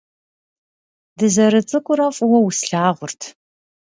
Дызэрыцӏыкӏурэ фӏыуэ услъагъурт.